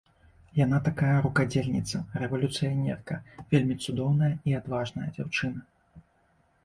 Яна такая рукадзельніца, рэвалюцыянерка, вельмі цудоўная і адважная дзяўчына.